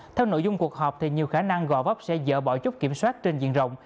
theo nội dung cuộc họp nhiều khả năng gò vấp sẽ dỡ bỏ chốt kiểm soát trên diện rộng